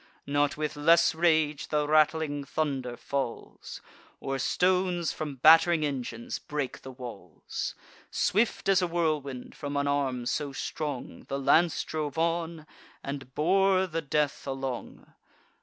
Not with less rage the rattling thunder falls, Or stones from batt'ring engines break the walls: Swift as a whirlwind, from an arm so strong, The lance drove on, and bore the death along.